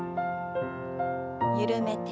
緩めて。